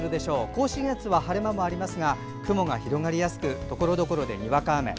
甲信越は晴れ間もありますが雲が広がりやすくところどころでにわか雨。